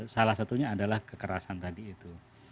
salah satunya adalah kekerasan tadi itu